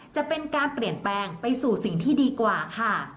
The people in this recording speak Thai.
จะเป็นการเปลี่ยนแปลงไปสู่สิ่งที่ดีกว่าค่ะ